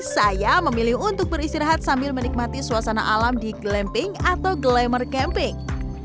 saya memilih untuk beristirahat sambil menikmati suasana alam di glamping atau glamour camping